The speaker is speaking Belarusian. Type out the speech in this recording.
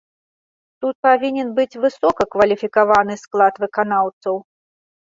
Тут павінен быць высокакваліфікаваны склад выканаўцаў.